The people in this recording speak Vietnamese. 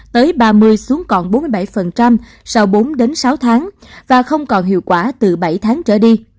tới ba mươi xuống còn bốn mươi bảy sau bốn sáu tháng và không còn hiệu quả từ bảy tháng trở đi